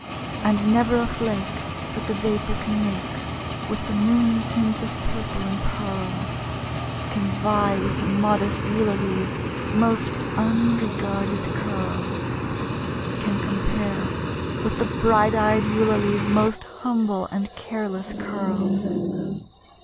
And never a flake That the vapor can make With the moon tints of purple and pearl, Can vie with the modest Eulalie's most unregarded curl Can compare with the bright eyed Eulalie's most humble and careless curl.